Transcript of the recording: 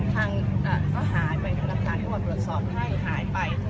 ทางก็หายไปธนาคารก็มาตรวจสอบให้หายไป